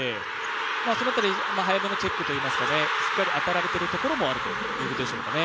その中で早めのチェックといいますかしっかり当たられてる部分もあるということでしょうかね。